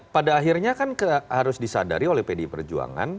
pada akhirnya kan harus disadari oleh pdi perjuangan